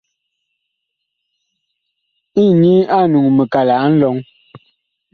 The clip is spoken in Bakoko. Inyi ag nuŋuu mikala nlɔŋ.